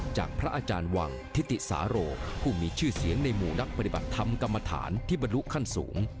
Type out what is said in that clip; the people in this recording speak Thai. จากพระอาจารย์วังทิติสาโรผู้มีชื่อเสียงในหมู่นักปฏิบัติธรรมกรรมฐานที่บรรลุขั้นสูง